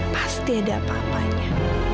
pasti ada apa apanya